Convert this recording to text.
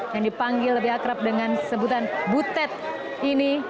yang dipanggil lebih akrab dengan sebutan butet ini